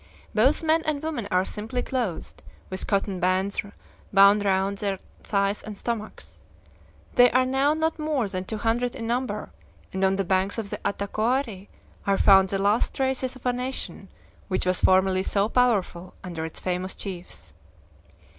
Both men and women are simply clothed, with cotton bands bound round their thighs and stomachs. They are now not more than two hundred in number, and on the banks of the Atacoari are found the last traces of a nation which was formerly so powerful under its famous chiefs.